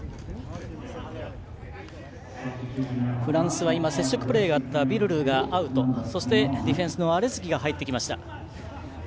フランスは接触プレーがあったビルルーがアウトそして、ディフェンスのアレズキが入ってきました。